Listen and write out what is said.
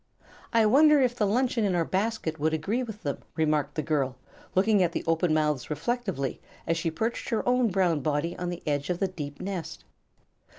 "I wonder if the luncheon in our basket would agree with them," remarked the girl, looking at the open mouths reflectively as she perched her own brown body upon the edge of the deep nest.